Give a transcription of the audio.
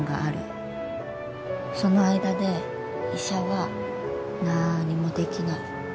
その間で医者は何もできない。